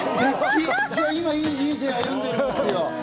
じゃあ今、いい人生歩んでるんですよ。